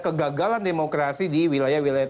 kegagalan demokrasi di wilayah wilayah